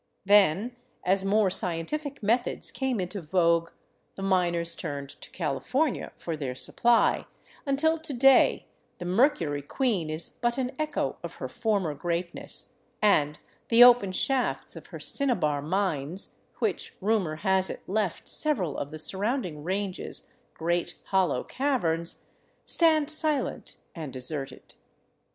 Then, as more scientific methods came into vogue, the miners turned to California for their supply, until to day the Mercury Queen is but an echo of her former greatness, and the open shafts of her cinnibar mines, which rumor has it left several of the surrounding ranges great hollow caverns, stand silent and de serted.